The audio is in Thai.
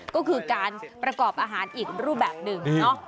ก็คือการประกอบอาหารอีกรูปแบบหนึ่ง